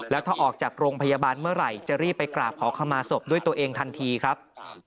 แล้วถ้าออกจากโรงพยาบาลเมื่อไหร่จะรีบไปกราบขอขมาศพด้วยตัวเองทันทีครับ